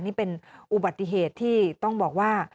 นี่เป็นอุบัติเหตุที่ต้องบอกว่า